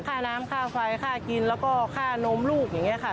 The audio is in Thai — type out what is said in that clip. ค่าน้ำค่าไฟค่ากินแล้วก็ค่านมลูกอย่างนี้ค่ะ